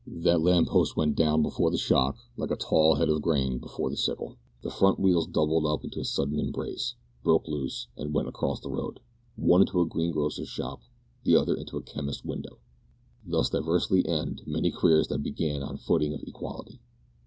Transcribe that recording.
That lamp post went down before the shock like a tall head of grain before the sickle. The front wheels doubled up into a sudden embrace, broke loose, and went across the road, one into a greengrocer's shop, the other into a chemist's window. Thus diversely end many careers that begin on a footing of equality!